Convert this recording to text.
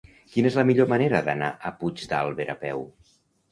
Quina és la millor manera d'anar a Puigdàlber a peu?